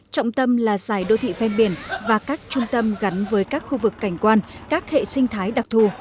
trọng tâm là dài đô thị ven biển và các trung tâm gắn với các khu vực cảnh quan các hệ sinh thái đặc thù